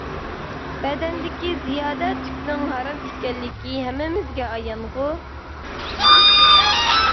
بەدەندىكى زىيادە تۈكنىڭ ھارام ئىكەنلىكى ھەممىمىزگە ئايانغۇ!